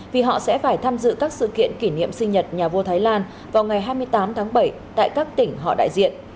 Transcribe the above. vì họ sẽ phải tham dự các sự kiện kỷ niệm sinh nhật nhà vua thái lan vào ngày hai mươi tám tháng bảy tại các tỉnh họ đại diện